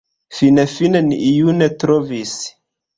Finfine ni iun trovis.